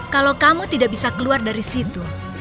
kalau kamu tidak bisa keluar dari situ